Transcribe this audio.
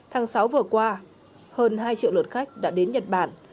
tháng sáu vừa qua hơn hai triệu lượt khách đã đến nhật bản